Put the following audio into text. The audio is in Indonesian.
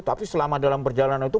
tapi selama dalam perjalanan itu